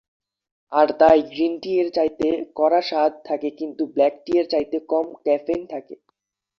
আর তাই green tea এর চাইতে কড়া স্বাদ থাকে কিন্তু ব্লাক টি এর চাইতে কম ক্যাফেইন থাকে।